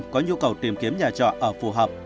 có nhu cầu tìm kiếm nhà trọ ở phù hợp